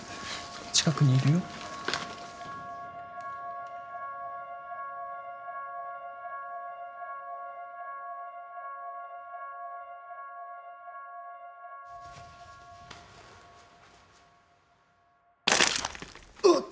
近くにいるよ。うっ！